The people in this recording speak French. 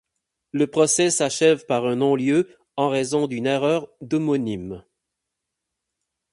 Le procès s'achève par un non-lieu en raison d'une erreur d'homonymie.